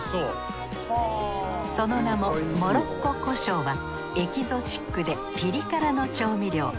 その名もモロッコ胡椒はエキゾチックでピリ辛の調味料。